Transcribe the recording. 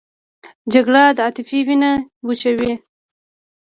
جګړه د عاطفې وینه وچوي